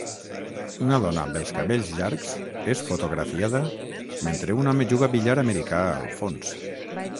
Una dona amb els cabells llargs és fotografiada mentre un home juga billar americà al fons.